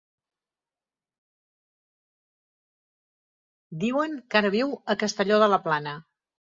Diuen que ara viu a Castelló de la Plana.